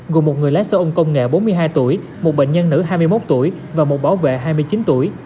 gồm một người lái xe ôn công nghệ bốn mươi hai tuổi một bệnh nhân nữ hai mươi một tuổi và một bảo vệ hai mươi chín tuổi